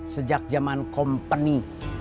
sejak zaman kompeni